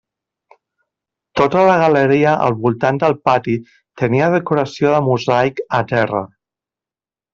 Tota la galeria al voltant del pati tenia decoració de mosaic a terra.